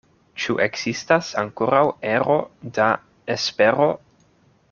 Ĉu ekzistas ankoraŭ ero da espero?